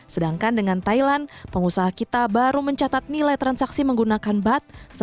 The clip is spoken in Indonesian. sedangkan dengan thailand pengusaha kita baru mencatat nilai transaksi menggunakan bat